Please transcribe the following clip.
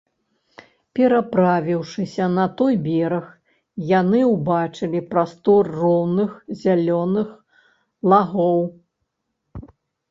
Пераправіўшыся на той бераг, яны ўбачылі прастор роўных зялёных лагоў.